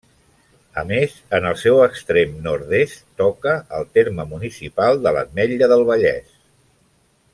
A més, en el seu extrem nord-est toca el terme municipal de l'Ametlla del Vallès.